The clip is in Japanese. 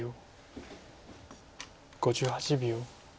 ５８秒。